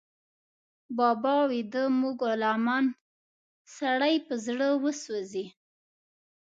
بابا ويده، موږ غلامان، سړی په زړه وسوځي